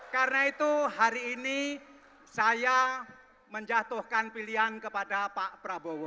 karena itu hari ini saya menjatuhkan pilihan kepada pak prabowo